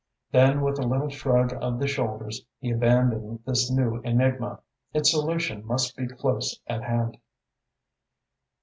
Then with a little shrug of the shoulders he abandoned this new enigma. Its solution must be close at hand.